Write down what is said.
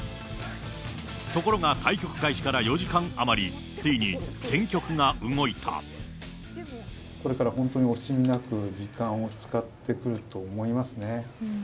ところが対局開始から４時間余り、これから本当に惜しみなく時間を使ってくると思いますね。